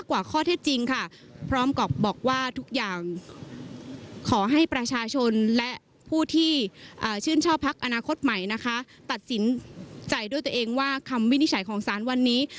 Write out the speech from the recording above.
วิชาวภักดิ์อนาคตใหม่นะคะตัดสินใจด้วยตัวเองว่าคำวินิจฉัยของศาลวันนี้